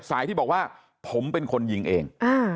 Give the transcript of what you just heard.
สายที่บอกว่าผมเป็นคนยิงเอง